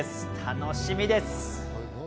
楽しみです。